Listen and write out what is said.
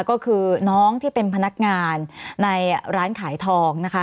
ก็คือน้องที่เป็นพนักงานในร้านขายทองนะคะ